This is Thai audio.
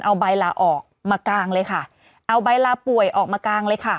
เอาใบลาออกมากางเลยค่ะเอาใบลาป่วยออกมากางเลยค่ะ